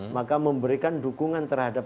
maka memberikan dukungan terhadap